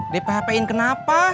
di php in kenapa